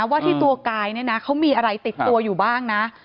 ว่าที่ตัวกายเขามีอะไรติดตัวอยู่บ้าง